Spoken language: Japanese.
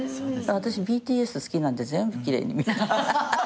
私ＢＴＳ好きなんで全部奇麗に見えて。